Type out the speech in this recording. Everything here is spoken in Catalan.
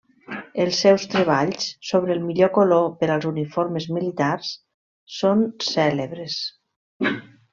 Els seus treballs sobre el millor color per als uniformes militars són cèlebres.